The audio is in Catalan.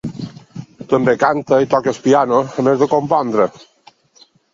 També canta i toca el piano, a més de compondre.